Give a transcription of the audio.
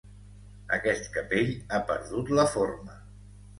Aquest capell ha perdut la forma.